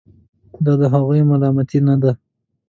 دا د هغوی ملامتي نه ده.